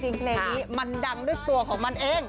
เพลงนี้มันดังด้วยตัวของมันเอง